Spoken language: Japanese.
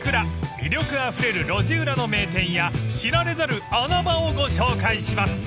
魅力あふれる路地裏の名店や知られざる穴場をご紹介します］